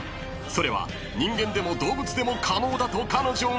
［それは人間でも動物でも可能だと彼女は言う］